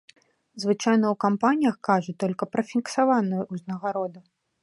Звычайна ў кампаніях кажуць толькі пра фіксаваную ўзнагароду.